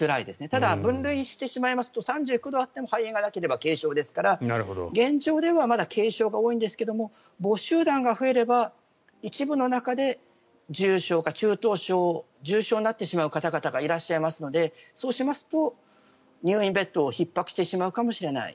ただ、分類してしまいますと３９度あっても肺炎がなければ軽症ですから現状ではまだ軽症が多いんですが母集団が増えれば一部の中で重症か中等症重症になってしまう方々がいらっしゃいますのでそうしますと入院ベッドがひっ迫してしまうかもしれない。